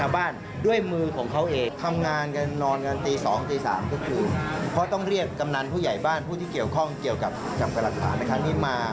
เพราะต้องเรียกกำนันผู้ใหญ่บ้านผู้ที่เกี่ยวข้องเกี่ยวกับกรรภาคภาค